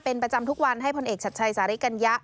เป็นประจำทุกวันให้ผลเอกชัดชัยสาริกัญญะ